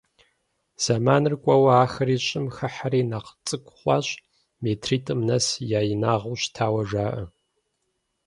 Зэманыр кӀуэурэ ахэри щӀым хыхьэри нэхъ цӀыкӀу хъуащ, метритӀым нэс я инагъыу щытауэ жаӀэ.